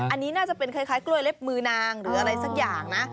อันนี้น่าจะเป็นคล้ายกล้วยเล็บมือนางหรืออะไรสักอย่างนะ